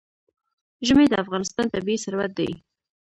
ژمی د افغانستان طبعي ثروت دی.